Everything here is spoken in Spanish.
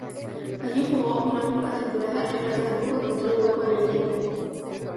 Allí jugó una única temporada, en la que tampoco encontró hueco en el equipo.